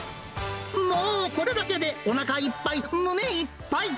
もうこれだけでおなかいっぱい、胸いっぱい。